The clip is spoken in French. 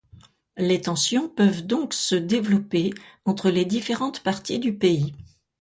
Les tensions peuvent donc se développer entre les différentes parties du pays.